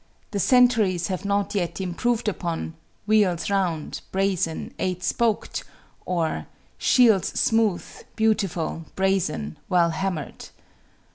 The centuries have not yet improved upon "Wheels round, brazen, eight spoked," or "Shields smooth, beautiful, brazen, well hammered."